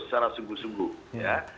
secara sungguh sungguh ya